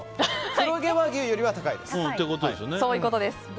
黒毛和牛よりは高いです。